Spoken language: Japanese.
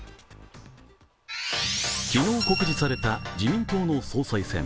昨日、告示された自民党の総裁選。